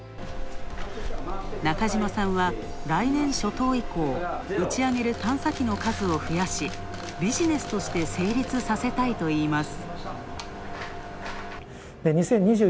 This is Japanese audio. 中島さんは、来年初頭以降、打ち上げる探査機の数を増やし、ビジネスとして成立させたいといいます。